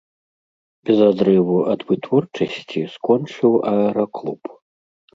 Без адрыву ад вытворчасці скончыў аэраклуб.